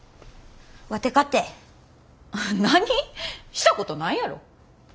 したことないやろ。